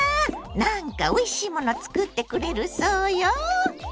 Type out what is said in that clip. なんかおいしいもの作ってくれるそうよ！